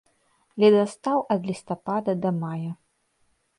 Ледастаў ад лістапада да мая.